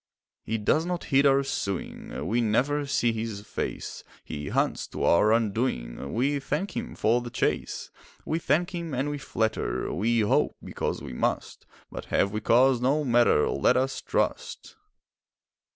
He does not heed our suing, We never see his face; He hunts to our undoing, We thank him for the chase. We thank him and we flatter, We hope—because we must— But have we cause? No matter! Let us trust!